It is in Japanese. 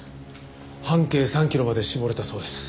半径３キロまで絞れたそうです。